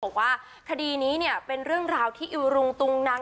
บอกว่าคดีนี้เนี่ยเป็นเรื่องราวที่อิวรุงตุงนัง